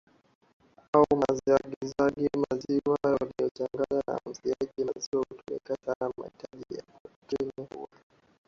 au maziwasiagi maziwa yaliyochanganywa na siagi Maziwa hutumika sana Mahitaji ya protini huwa